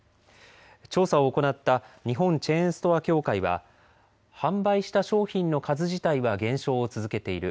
調査を行った日本チェーンストア協会は販売した商品の数自体は減少を続けている。